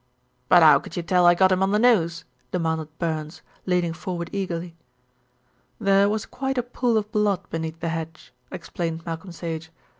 "But how could you tell I got him on the nose?" demanded Burns, leaning forward eagerly. "There was quite a pool of blood beneath the hedge," explained Malcolm Sage.